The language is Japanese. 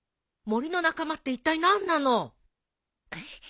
森の仲間っていったい何なの？